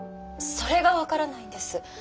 それが分からないんです。